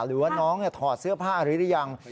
หรือว่าน้องถอดเสื้อผ้าหรือยัง